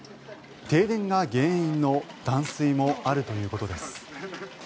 停電が原因の断水もあるということです。